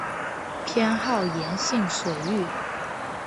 偏好咸性水域。